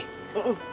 ya pulang aja